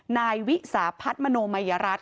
นายวิศาภัทธ์มโมยรัส